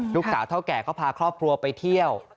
เท่าแก่ก็พาครอบครัวไปเที่ยว